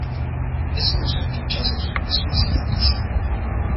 eso no son pinchazos, es una cicatriz